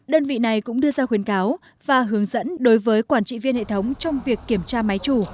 đơn vị này cũng đưa ra khuyến cáo và hướng dẫn đối với quản trị viên hệ thống trong việc kiểm tra máy chủ